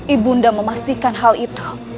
ibu undang memastikan hal itu